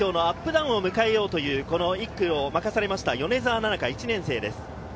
ダウンを迎えようという１区を任された米澤奈々香、１年生です。